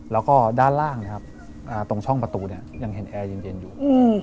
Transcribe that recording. แล้วก็ด้านล่างนะครับตรงช่องประตูยังเห็นแอร์เย็นอยู่